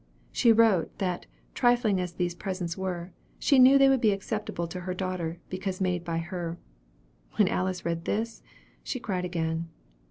She wrote, that, trifling as these presents were, she knew they would be acceptable to her daughter, because made by her. When Alice read this, she cried again.